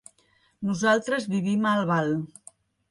Nosaltres vivim a Albal.